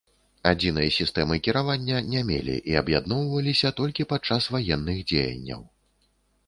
Адзінай сістэмы кіравання не мелі і аб'ядноўваліся толькі падчас ваенных дзеянняў.